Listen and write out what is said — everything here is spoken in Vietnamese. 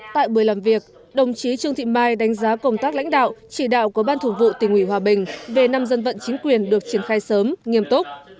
tại buổi làm việc đồng chí trương thị mai đánh giá công tác lãnh đạo chỉ đạo của ban thủ vụ tỉnh ủy hòa bình về năm dân vận chính quyền được triển khai sớm nghiêm túc